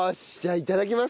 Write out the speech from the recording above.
いただきます。